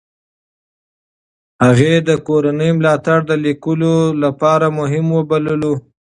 هغې د کورنۍ ملاتړ د لیکلو لپاره مهم وبللو.